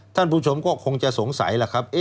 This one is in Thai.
ท่านผู้ชมก็คงจะสงสัย